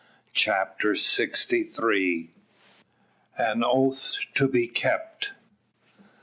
CHAPTER SIXTY THREE. AN OATH TO BE KEPT.